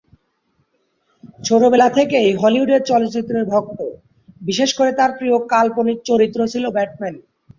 ছোটবেলা থেকেই হলিউডের চলচ্চিত্রের ভক্ত, বিশেষ করে তার প্রিয় কাল্পনিক চরিত্র ছিল ব্যাটম্যান।